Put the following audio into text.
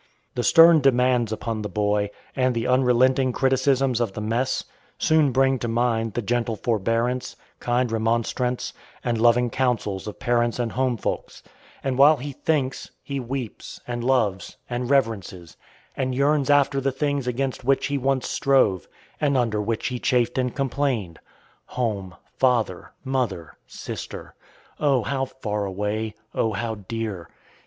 The stern demands upon the boy, and the unrelenting criticisms of the mess, soon bring to mind the gentle forbearance, kind remonstrance, and loving counsels of parents and homefolks; and while he thinks, he weeps, and loves, and reverences, and yearns after the things against which he once strove, and under which he chafed and complained. Home, father, mother, sister, oh, how far away; oh, how dear!